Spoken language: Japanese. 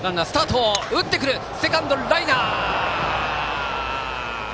セカンドライナー。